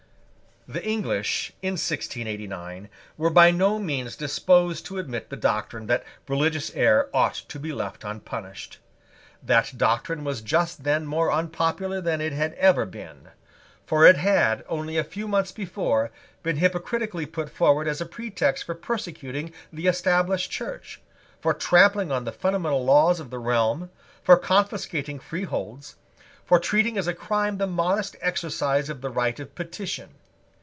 The English, in 1689, were by no means disposed to admit the doctrine that religious error ought to be left unpunished. That doctrine was just then more unpopular than it had ever been. For it had, only a few months before, been hypocritically put forward as a pretext for persecuting the Established Church, for trampling on the fundamental laws of the realm, for confiscating freeholds, for treating as a crime the modest exercise of the right of petition.